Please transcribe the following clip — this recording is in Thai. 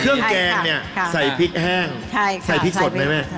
แกงเนี่ยใส่พริกแห้งใส่พริกสดไหมแม่